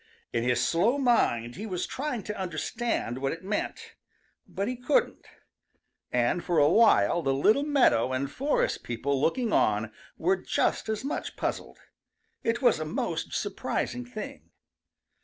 In his slow mind he was trying to understand what it meant, but he couldn't. And for a while the little meadow and forest people looking on were just as much puzzled. It was a most surprising thing.